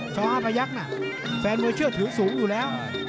ช้าห้าประยักษ์น่ะแฟนมือเชื่อถือสูงอยู่แล้ว